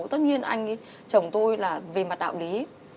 tất nhiên anh ấy chồng tôi là về mặt đạo lý